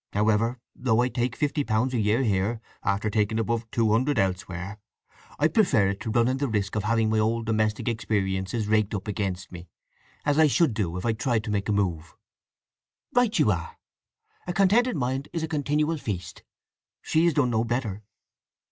However, although I take fifty pounds a year here after taking above two hundred elsewhere, I prefer it to running the risk of having my old domestic experiences raked up against me, as I should do if I tried to make a move." "Right you are. A contented mind is a continual feast. She has done no better."